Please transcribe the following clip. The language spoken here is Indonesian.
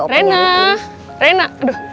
rena rena aduh